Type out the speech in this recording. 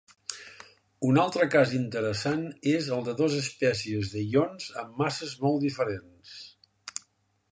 Un altre cas interessant és el de dos espècies de ions amb masses molt diferents.